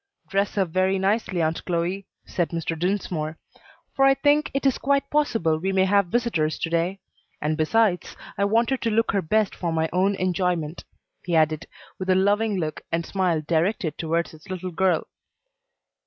"Dress her very nicely, Aunt Chloe," said Mr. Dinsmore, "for I think it is quite possible we may have visitors to day; and besides, I want her to look her best for my own enjoyment," he added, with a loving look and smile directed toward his little girl.